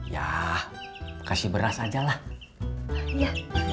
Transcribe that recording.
ya kasih beras ajalah ya